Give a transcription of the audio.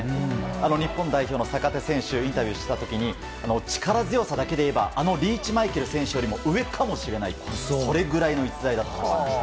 日本代表のにインタビューした時に力強さだけで言えばリーチマイケル選手よりも上かもしれないとそれぐらいの逸材だと。